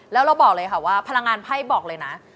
แล้วเราบอกเลยค่ะว่าพลังงานไพ่บอกเลยนะ